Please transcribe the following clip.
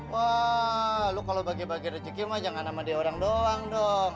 wah lu kalau bagi bagi rezeki mah jangan sama dia orang doang dong